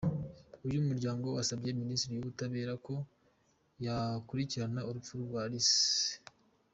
Uyu muryango wasabye Minisiteri y’Ubutabera ko yakurikirana urupfu rwa Rice.